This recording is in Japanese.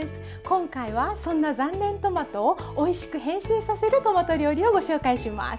今回はそんな残念トマトをおいしく変身させるトマト料理をご紹介します。